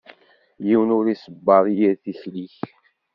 Yiwen ur isebbeṛ i yir tikli-k.